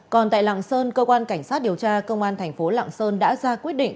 còn tại lạng sơn cơ quan cảnh sát điều tra công an thành phố lạng sơn đã ra quyết định